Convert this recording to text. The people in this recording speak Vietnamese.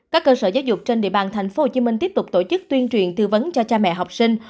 các cơ sở giáo dục trên địa bàn tp hcm tiếp tục tổ chức tuyên truyền tư vấn cho cha mẹ học sinh